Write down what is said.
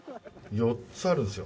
４つあるんですよ。